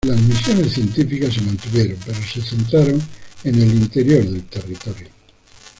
Las misiones científicas se mantuvieron, pero se centraron en el interior del territorio.